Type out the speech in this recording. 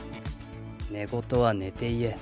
寝言は寝て言え。